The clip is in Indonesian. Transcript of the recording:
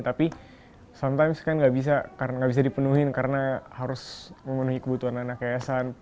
tapi kadang kan gak bisa karena gak bisa dipenuhin karena harus memenuhi kebutuhan anak anak ayasan